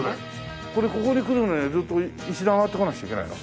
これここに来るまでずっと石段上がってこなくちゃいけないの？